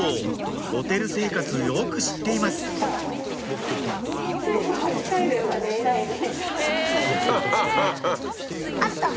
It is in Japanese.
ホテル生活よく知っていますハハハハ。